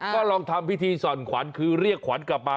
ก็ลองทำพิธีส่อนขวัญคือเรียกขวัญกลับมา